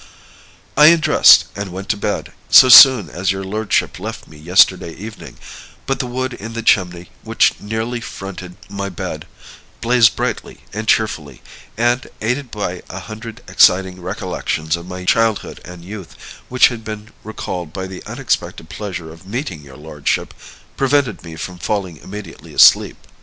"I undressed and went to bed, so soon as your lordship left me yesterday evening; but the wood in the chimney, which nearly fronted my bed, blazed brightly and cheerfully, and, aided by a hundred exciting recollections of my childhood and youth, which had been recalled by the unexpected pleasure of meeting your lordship, prevented me from falling immediately asleep.